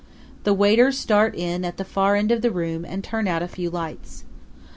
The waiters start in at the far end of the room and turn out a few lights.